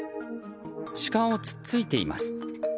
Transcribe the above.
シカを突っついています。